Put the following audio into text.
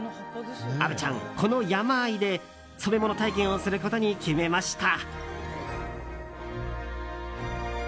虻ちゃん、このヤマアイで染め物体験をすることに決めました。